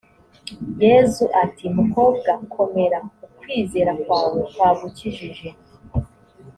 yezu ati mukobwa komera ukwizera kwawe kwagukijije